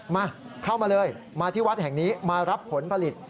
มาเข้ามาเลยมาที่วัดแห่งนี้มารับผลผลิต